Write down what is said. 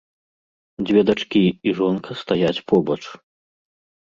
Дзве дачкі і жонка стаяць побач.